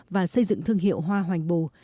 và xây dựng thương hiệu hoa hoành bồ